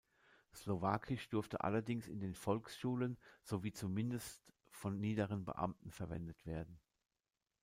Slowakisch durfte allerdings in den Volksschulen sowie zumindest von niederen Beamten verwendet werden.